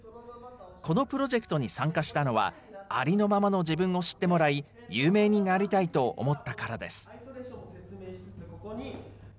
このプロジェクトに参加したのは、ありのままの自分を知ってもらい、有名になりたいと思ったからです。